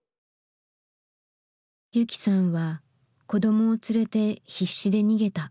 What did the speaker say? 雪さんは子どもを連れて必死で逃げた。